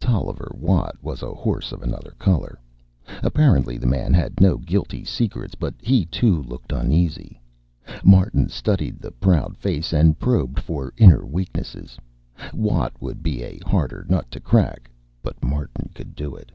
Tolliver Watt was a horse of another color; apparently the man had no guilty secrets; but he too looked uneasy. Martin studied the proud face and probed for inner weaknesses. Watt would be a harder nut to crack. But Martin could do it.